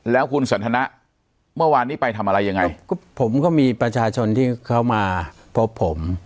แล้วคุณสันทนะเมื่อวานนี้ไปทำอะไรยังไงก็ผมก็มีประชาชนที่เขามาพบผม